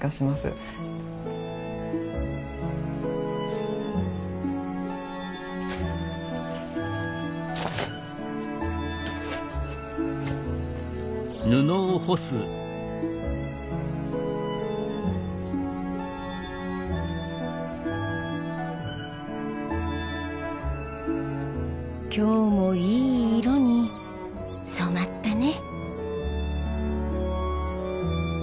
その今日もいい色に染まったね。